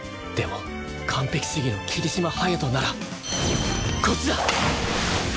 でも完璧主義の霧島隼人ならこっちだ！